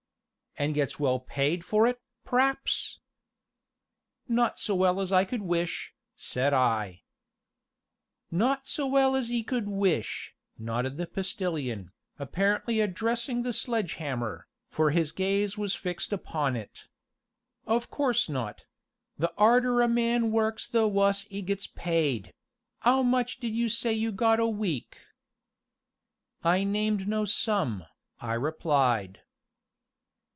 "An' gets well paid for it, p'r'aps?" "Not so well as I could wish," said I. "Not so well as 'e could wish," nodded the Postilion, apparently addressing the sledge hammer, for his gaze was fixed upon it. "Of course not the 'arder a man works the wuss 'e gets paid 'ow much did you say you got a week?" "I named no sum," I replied.